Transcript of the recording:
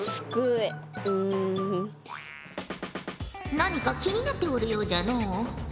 何か気になっておるようじゃのう。